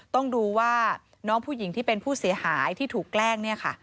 ต้องดูว่าน้องผู้หญิงที่เป็นผู้เสียหายที่ถูกแกล้งเนี่ยค่ะ